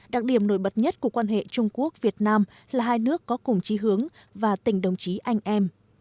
đặc điểm nổi bật nhất của quan hệ trung quốc việt nam là hai nước có cùng trí hướng và tình đồng chí anh em